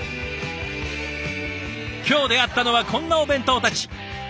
今日出会ったのはこんなお弁当たち。